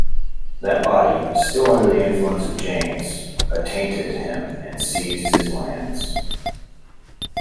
That body, still under the influence of James, attainted him and seized his lands.